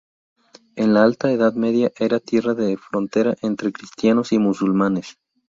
En la Alta Edad Media era tierra de frontera entre cristianos y musulmanes.